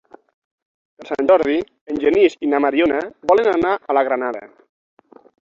Per Sant Jordi en Genís i na Mariona volen anar a la Granada.